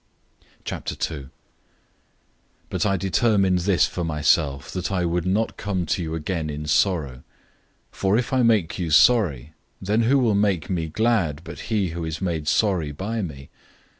002:001 But I determined this for myself, that I would not come to you again in sorrow. 002:002 For if I make you sorry, then who will make me glad but he who is made sorry by me?